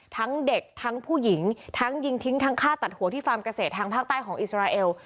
ทั้งเด็กทั้งผู้หญิงทั้งยิงทิ้งทั้งฆ่าตัดหัวที่ฟาร์มเกษตรทางภาคใต้ของอิสราเอล